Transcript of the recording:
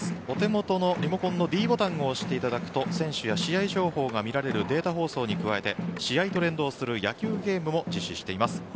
お手元のリモコンのｄボタンを押していただくと選手や試合情報が見られるデータ放送に加えて試合と連動する野球ゲームも実施しています。